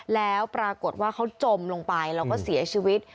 แล้วปรากฏว่าเขาจมลงไปแล้วก็เสียชีวิต